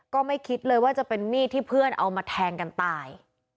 ก็ไม่คิดเลยว่าจะเป็นมีดที่เพื่อนเอามาแทงกันตาย